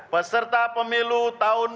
peserta pemilu tahun dua ribu sembilan belas